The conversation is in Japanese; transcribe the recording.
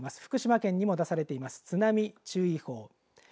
福島県にも出されて今津波注意報